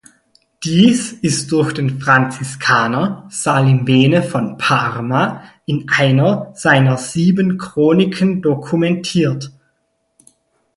Dies ist durch den Franziskaner Salimbene von Parma in einer seiner sieben Chroniken dokumentiert.